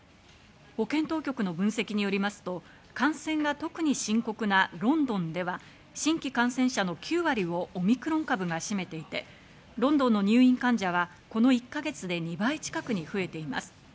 保健当局の分析によりますと、感染が特に深刻なロンドンでは新規感染者の９割をオミクロン株が占めていて、ロンドンの入院患者はこの１か月で２倍近くに増えています。